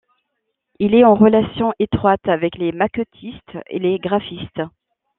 Il est en relation étroite avec les maquettistes et les graphistes.